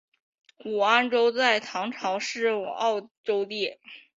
武安州在唐朝是沃州地。